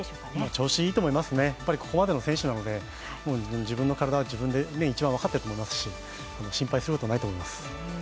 調子いいと思いますね、ここまでの選手なので自分の体は自分で一番分かってると思いますし心配することはないと思います。